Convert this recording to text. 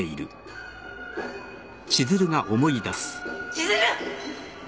・千鶴！